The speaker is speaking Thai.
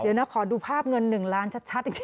เดี๋ยวนะขอดูภาพเงิน๑ล้านชัดอีกที